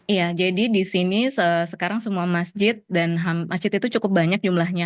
iya jadi di sini sekarang semua masjid dan masjid itu cukup banyak jumlahnya